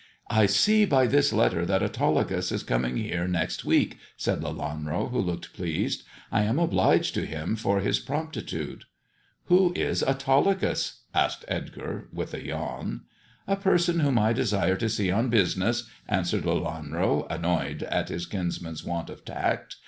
"I see by this letter that Autolycus is coming here next week," said Lelanro, who looked pleased. " I am obliged to him for his promptitude." " Who is Autolycus I" asked Edgar, with a yawn. " A person whom I desire to see on business," answered Lelanro, annoyed at his kinsman's want of tact.